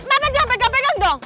bapak jangan pegang pegang dong